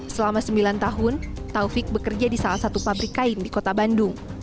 selama sembilan tahun taufik bekerja di salah satu pabrik kain di kota bandung